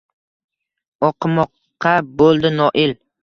Oʼqimoqqa boʼldi noil.